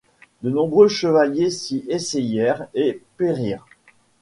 De nombreux chevaliers s’y essayèrent et périrent.